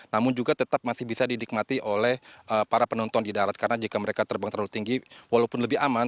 namun juga tetap masih bisa didikmati oleh para penonton di darat karena jika mereka terbang terlalu tinggi walaupun lebih aman